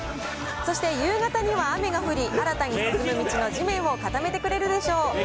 そして夕方には雨が降り、新たに進む道の地面を固めてくれるでしょう。